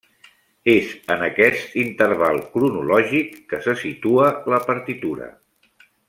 És en aquest interval cronològic que se situa la partitura.